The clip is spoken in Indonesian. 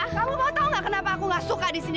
kamu mau tahu nggak kenapa aku gak suka di sini